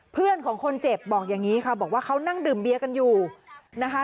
เพื่อนของคนเจ็บบอกอย่างนี้ค่ะบอกว่าเขานั่งดื่มเบียร์กันอยู่นะคะ